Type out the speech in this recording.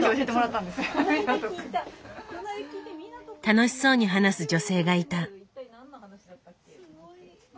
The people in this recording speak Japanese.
楽しそうに話す女性がいた。